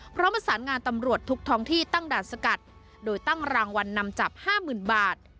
ประสานงานตำรวจทุกท้องที่ตั้งด่านสกัดโดยตั้งรางวัลนำจับ๕๐๐๐บาท